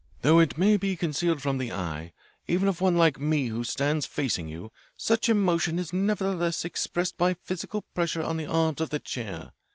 Though it may be concealed from the eye, even of one like me who stands facing you, such emotion is nevertheless expressed by physical pressure on the arms of the chair.